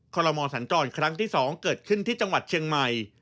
ลมอสัญจรครั้งที่๒เกิดขึ้นที่จังหวัดเชียงใหม่